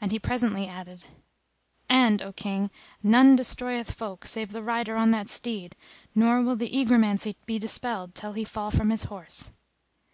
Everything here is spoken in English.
And he presently added, "And, O King, none destroyeth folk save the rider on that steed, nor will the egromancy be dispelled till he fall from his horse."